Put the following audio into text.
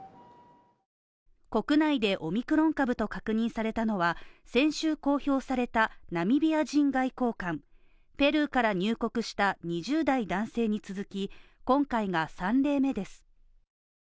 国内でオミクロン株と確認されたのは先週公表されたナミビア人外交官、ペルーから入国した２０代男性に続き今回が３例目です。